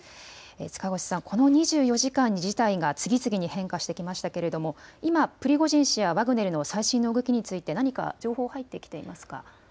塚越さん、この２４時間に次々と事態が変化していきましたけれど今プリゴジン氏やワグネルの最新の動きについて何か情報入ってきていますか。